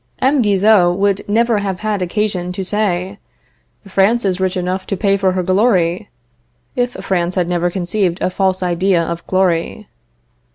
M. Guizot would never have had occasion to say: "France is rich enough to pay for her glory," if France had never conceived a false idea of glory.